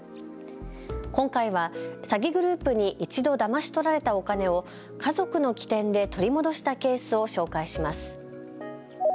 今回は詐欺グループに一度だまし取られたお金を家族の機転で取り戻したケースを紹介します。